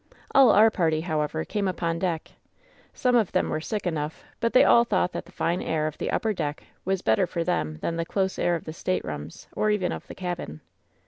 All our party, however, came upon deck. Some of them were sick enough, but they all thought that the fine air of the upper deck was better for them than the close air of the staterooms, or even of the cabin.